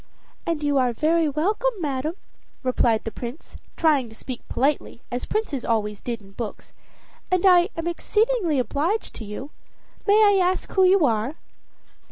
"And you are very welcome, madam," replied the Prince, trying to speak politely, as princes always did in books; "and I am exceedingly obliged to you. May I ask who you are?